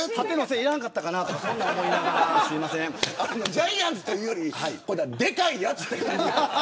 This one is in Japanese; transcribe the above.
ジャイアンツというよりでかいやつという感じ。